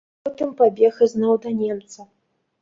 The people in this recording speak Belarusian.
Потым пабег ізноў да немца.